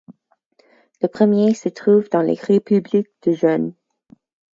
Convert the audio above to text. Le premier se trouve dans les républiques de jeunes.